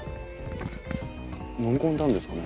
飲み込んだんですかね。